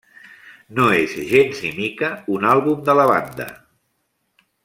No és gens ni mica un àlbum de la banda.